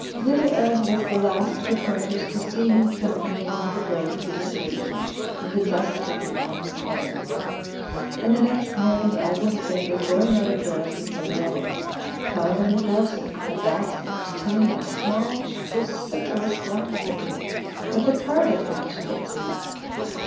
Little Ev was the last of the Pointers to see him tramping along the road to the station in the dusk of the autumn twilight. And the next morning Agnes Bentley, going out of doors before the others, found on the doorstep a basket containing a small, vociferous black kitten with a card attached to its neck.